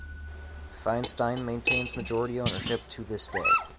Feinstein maintains majority ownership to this day.